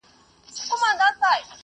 په ځالۍ کي یې ساتمه نازومه `